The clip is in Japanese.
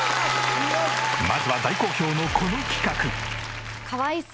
まずは大好評のこの企画。